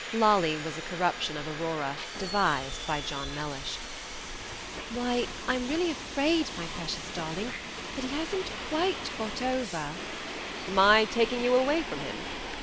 Lolly was a corruption of Aurora, devised by John Mellish. "Why, I'm really afraid, my precious darling, that he has n't quite got over " "My taking you away from him!"